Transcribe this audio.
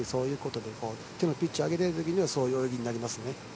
手のピッチを上げたいときにはそういう泳ぎになりますね。